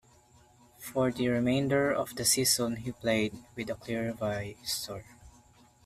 For the remainder of the season he played with a clear visor.